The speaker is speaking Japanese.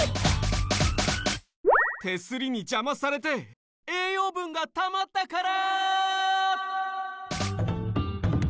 手すりにじゃまされて栄養ぶんがたまったから！